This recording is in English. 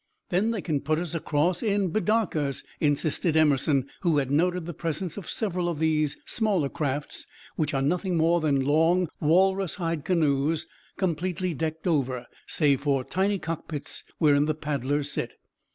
'" "Then they can put us across in bidarkas," insisted Emerson, who had noted the presence of several of these smaller crafts, which are nothing more than long walrus hide canoes completely decked over, save for tiny cockpits wherein the paddlers sit.